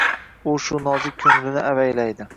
U shu nozik koʻnglini avaylaydi.